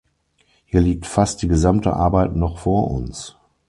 Hier liegt fast die gesamte Arbeit noch vor uns.